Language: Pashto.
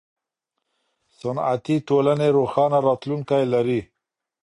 صنعتي ټولنې روښانه راتلونکی لري.